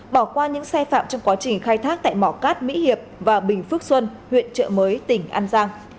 bỏ qua những xe phạm trong quá trình khai thác tại mỏ cát mỹ hiệp và bình phước xuân huyện trợ mới tỉnh an giang